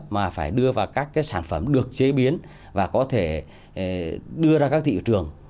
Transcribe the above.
mà phải đưa vào các cái sản phẩm được chế biến và có thể đưa ra các thị trường